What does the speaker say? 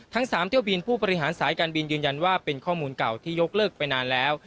ทั้ง๓เที่ยวบินผู้บริหารสายการบินยืนยันว่าเป็นข้อมูลเก่าที่ยกเลิกไปนานแล้ว